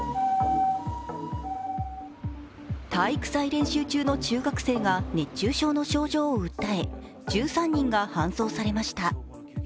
体育祭練習中の中学生が熱中症の症状を訴え１３人が搬送されました。